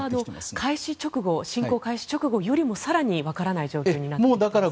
それは侵攻開始直後よりも更にわからない状況になっているんですか？